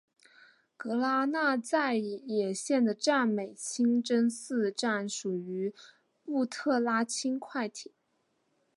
格拉那再也线的占美清真寺站属于布特拉轻快铁。